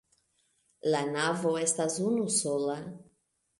La navo estas unusola.